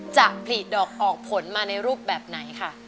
จะผลิดอกออกผลมาในรูปแบบไหนค่ะ